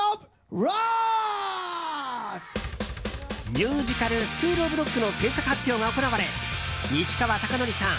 ミュージカル「スクールオブロック」の制作発表が行われ、西川貴教さん